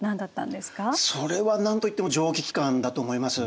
それは何と言っても蒸気機関だと思います。